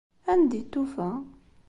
Anda i t-tufa?